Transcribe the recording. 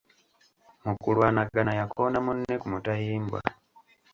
Mu kulwanagana yakoona munne ku mutayimbwa.